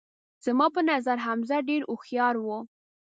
زما په نظر حمزه ډیر هوښیار وو